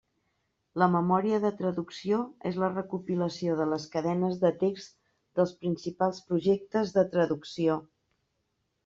La memòria de traducció és la recopilació de les cadenes de text dels principals projectes de traducció.